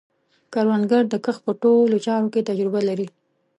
کروندګر د کښت په ټولو چارو کې تجربه لري